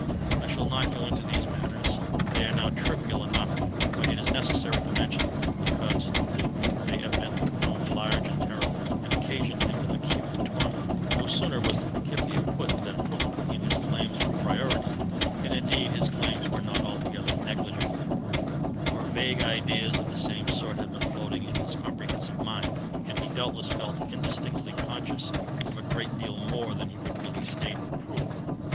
I shall not go into these matters: they are now trivial enough, but it is necessary to mention them, because to Newton they evidently loomed large and terrible, and occasioned him acute torment. [Illustration: FIG. 68. Newton when young. (From an engraving by B. Reading after Sir Peter Lely.)] No sooner was the Principia put than Hooke put in his claims for priority. And indeed his claims were not altogether negligible; for vague ideas of the same sort had been floating in his comprehensive mind, and he doubtless felt indistinctly conscious of a great deal more than he could really state or prove.